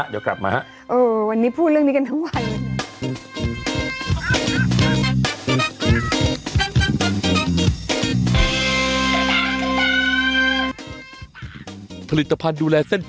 ใช่เออวันนี้พูดเรื่องนี้กันทั้งวัน